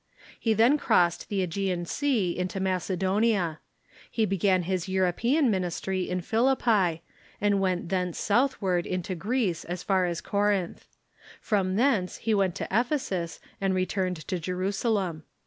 He then crossed the ^Egean Sea into Mace donia. He began his European ministry in Philippi, and Avent thence southAvard into Greece as far as Corinth. From thence he Avent to Ephesus, and returned to Jerusalem.